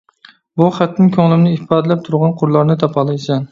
بۇ خەتتىن كۆڭلۈمنى ئىپادىلەپ تۇرغان قۇرلارنى تاپالايسەن.